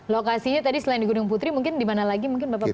lokasinya tadi selain di gunung putri mungkin dimana lagi mungkin bapak punya